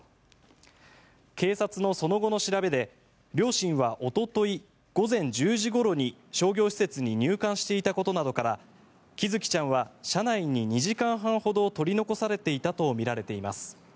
警察のその後の調べで両親はおととい午前１０時ごろに商業施設に入館していたことなどから喜寿生ちゃんは車内に２時間半ほど取り残されていたとみられています。